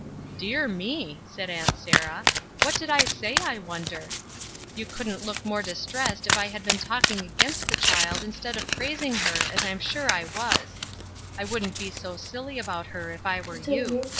"Dear me," said Aunt Sarah, ''what did I say, I wonder ? You couldn't look more dis tressed if I had been talking against the child, instead of praising her, as I am sure I was. I wouldn't be so silly about her, if I were you.